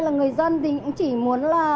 là người dân thì cũng chỉ muốn là